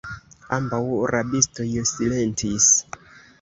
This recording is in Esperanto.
Ambaŭ rabistoj silentis.